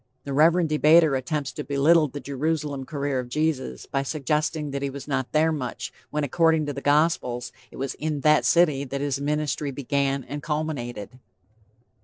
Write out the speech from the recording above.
The Reverend debater attempts to belittle the Jerusalem career of Jesus, by suggesting that he was not there much, when according to the Gospels, it was in that city that his ministry began and culminated.